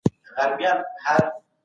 د عرضې او تقاضا مساوات ارماني حالت دی.